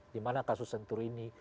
dimana kasus senturi ini